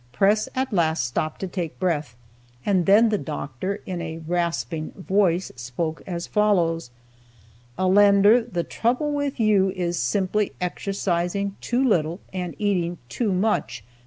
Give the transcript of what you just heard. Press at last stopped to take breath, and then the doctor, in his rasping voice, spoke as follows: "Allender, the trouble with you is simply exercising too little, and eating too much.